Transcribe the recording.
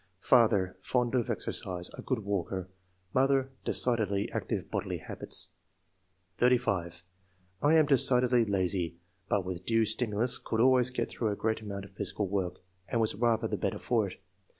] ^'Father — Fond of exercise; a good walker. Mother — decidedly active bodily habits." 35. "I am decidedly lazy; but with due stimulus could always get through a great amount of physical work, and was rather the better for it.